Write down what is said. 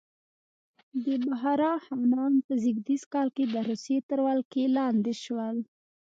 د بخارا خانان په زېږدیز کال د روسیې تر ولکې لاندې شول.